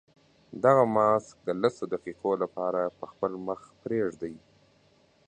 دغه ماسک د لسو دقیقو لپاره په خپل مخ پرېږدئ.